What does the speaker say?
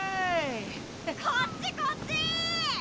こっちこっち！